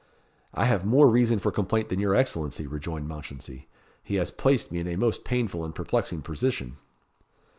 "I have more reason for complaint than your Excellency," rejoined Mounchensey. "He has placed me in a most painful and perplexing position."